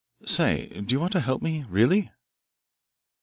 Say, do you want to help me really?"